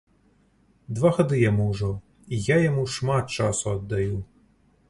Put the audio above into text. Два гады яму ўжо, і я яму шмат часу аддаю.